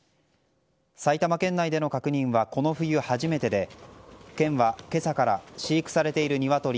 埼玉県内での確認はこの冬初めてで県は、今朝から飼育されているニワトリ